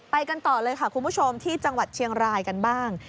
กันต่อเลยค่ะคุณผู้ชมที่จังหวัดเชียงรายกันบ้าง